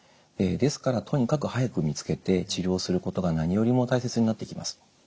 ですからとにかく早く見つけて治療することが何よりも大切になってきます。